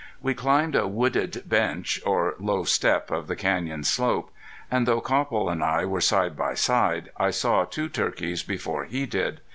We climbed a wooded bench or low step of the canyon slope, and though Copple and I were side by side I saw two turkeys before he did.